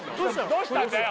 どうしたんだよ